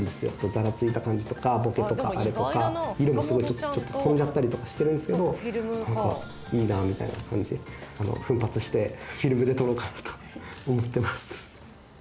ざらついた感じとかボケとか荒れとか色もちょっと飛んじゃったりとかしてるんですけど「なんかいいな」みたいな感じ奮発してフィルムで撮ろうかなと思ってます